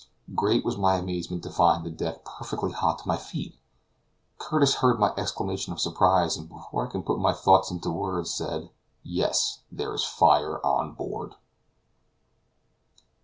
Great was my amazement to find the deck perfectly hot to my feet! Curtis heard my exclamation of surprise, and before I could put my thoughts into words, said: "Yes! there is fire on board!"